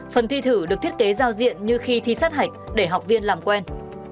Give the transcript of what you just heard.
phần thi thử được thiết kế giao diện như khi thi sát hạch để học viên làm quen